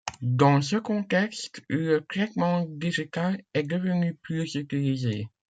Dans ce contexte, le traitement digital est devenu plus utilisé.